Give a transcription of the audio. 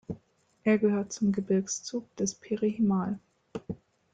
Er gehört zum Gebirgszug des Peri Himal.